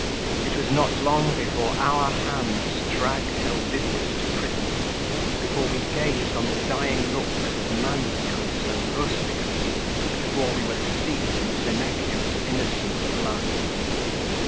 It was not long before our hands dragged Helvidius to prison, before we gazed on the dying looks of Manricus and Rusticus, before we were steeped in Senecio's innocent blood.